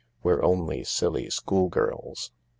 We're only silly schoolgirls.